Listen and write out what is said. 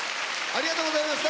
ありがとうございます！